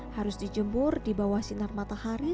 harus dijemur di bawah sinar matahari